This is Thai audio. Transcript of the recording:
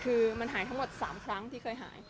คือมันหายทั้งหมด๓ครั้งที่เคยหาย